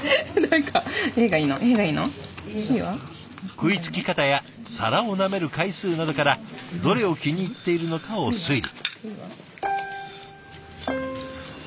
食いつき方や皿をなめる回数などからどれを気に入っているのかを推理。